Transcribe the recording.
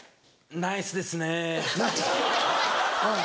ナイスですねぇ。